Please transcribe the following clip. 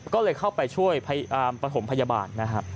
ก็เลยเข้าไปช่วยประสบคมพยาบาลนะฮะ